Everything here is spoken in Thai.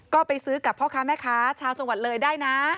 ก็ไปซื้อกับพ่อค้าแม่ค้าชาวจังหวัดเลยได้นะ